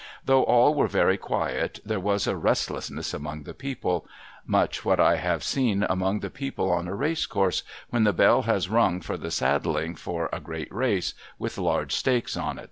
Though all were very quiet, there was a rest lessness among the people ; much what I have seen among the people on a race course, when the bell has rung for the saddling for ft great race with large stakes on it.